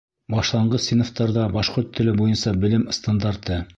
Башланғыс синыфтарҙа башҡорт теле буйынса белем стандарты